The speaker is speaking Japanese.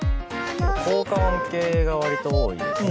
効果音系が割と多いです。